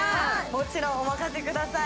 もちろんお任せください